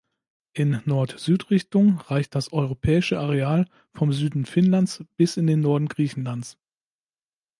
In Nord-Süd-Richtung reicht das europäische Areal vom Süden Finnlands bis in den Norden Griechenlands.